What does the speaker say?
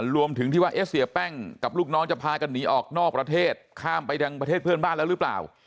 รวมถึงที่ว่าเสียแป้งกับลูกน้องจะพากันหนีออกนอกประเทศข้ามไปยังประเทศเพื่อนบ้านแล้วหรือเปล่า